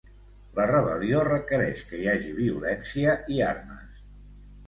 La rebel·lió requereix que hi hagi violència i armes.